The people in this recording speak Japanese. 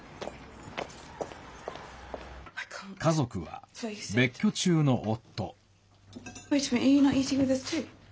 家族は、別居中の夫。